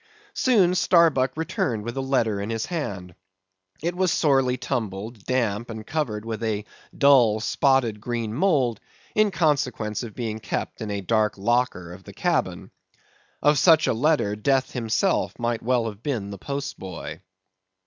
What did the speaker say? Soon Starbuck returned with a letter in his hand. It was sorely tumbled, damp, and covered with a dull, spotted, green mould, in consequence of being kept in a dark locker of the cabin. Of such a letter, Death himself might well have been the post boy.